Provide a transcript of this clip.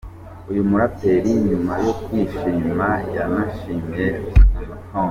Uyu muraperi nyuma yo kwishima yanashimiye Hon.